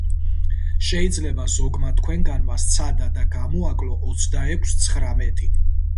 შეიძლება ზოგმა თქვენგანმა სცადა და გამოაკლო ოცდაექვსს ცხრამეტი.